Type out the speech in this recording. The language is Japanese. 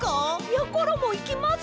やころもいきます！